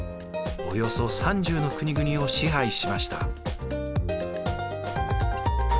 およそ３０の国々を支配しました。